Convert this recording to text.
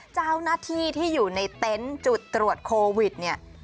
เจ้าหน้าที่ที่อยู่ในเต็นต์จุดตรวจโควิดเนี่ย